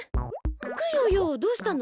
クヨヨどうしたの？